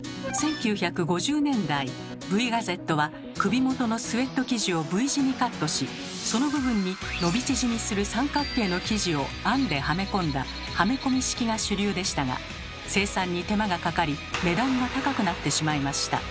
１９５０年代Ｖガゼットは首元のスウェット生地をＶ字にカットしその部分に伸び縮みする三角形の生地を編んではめ込んだ「はめ込み式」が主流でしたが生産に手間がかかり値段が高くなってしまいました。